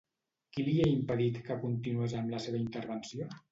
Qui li ha impedit que continués amb la seva intervenció?